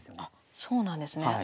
あっそうなんですね。